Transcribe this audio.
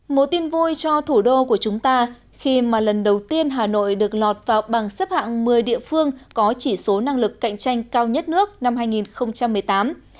một tin vui cho thủ đô của chúng ta khi mà lần đầu tiên hà nội được lọt vào bằng xếp hạng một mươi địa phương có chỉ số năng lực cạnh tranh cao nhất nước năm hai nghìn một mươi tám